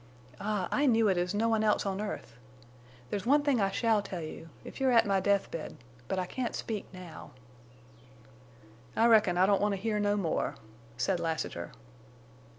Ah, I knew it as no one else on earth! There's one thing I shall tell you—if you are at my death bed, but I can't speak now." "I reckon I don't want to hear no more," said Lassiter.